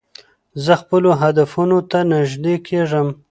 زه خپلو هدفونو ته نژدې کېږم.